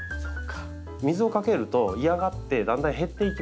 水をかけると嫌がってだんだん減っていきます。